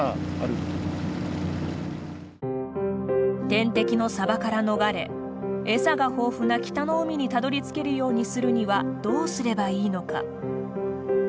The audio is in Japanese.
天敵のサバから逃れ餌が豊富な北の海にたどりつけるようにするにはどうすればいいのか。